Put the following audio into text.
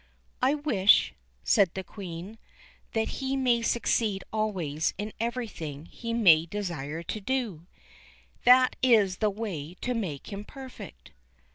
"I wish," said the Queen, "that he may succeed always in everything he may desire to do that is the way to make him perfect."